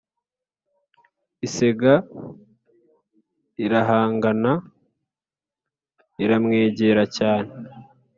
isega irihangana iramwegera cyane